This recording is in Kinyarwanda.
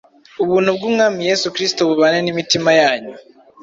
Ubuntu bw’Umwami Yesu Kristo bubane n’imitima yanyu.”